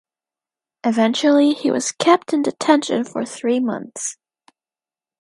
Eventually he was kept in detention for three months.